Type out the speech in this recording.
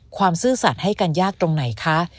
ซื่อสัตว์ให้กันยากตรงไหนคะ